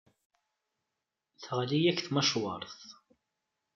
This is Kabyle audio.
Teɣli-yak tmacwart.